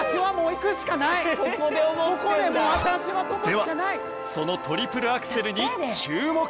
ではそのトリプルアクセルに注目！